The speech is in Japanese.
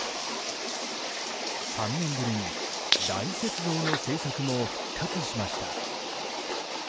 ３年ぶりに大雪像の制作も復活しました。